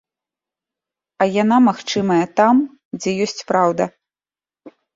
А яна магчымая там, дзе ёсць праўда.